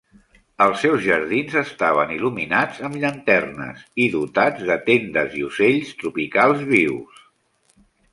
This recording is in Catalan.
Els seus jardins estaven il·luminats amb llanternes, i dotats de tendes i ocells tropicals vius.